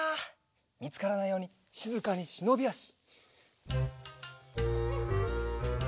みつからないようにしずかにしのびあし。